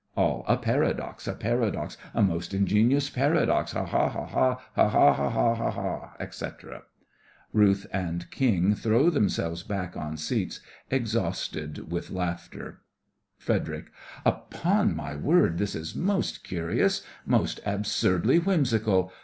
ALL: A paradox, a paradox, A most ingenious paradox! Ha! ha! ha! ha! ha! ha! ha! ha!, etc. (RUTH and KING throw themselves back on seats, exhausted with laughter) FREDERIC: Upon my word, this is most curious— most absurdly whimsical.